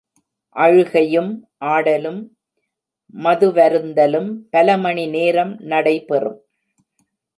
அழுகையும், ஆடலும், மதுவருந்தலும் பலமணி நேரம் நடைபெறும்.